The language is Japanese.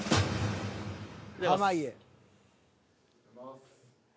［濱家］